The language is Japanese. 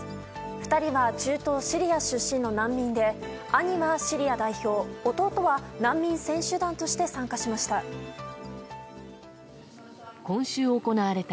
２人は中東シリア出身の難民で兄がシリア代表弟は難民選手団として参加しました。